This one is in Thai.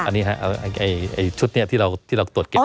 อันนี้ครับชุดนี้ที่เราตรวจเก็บ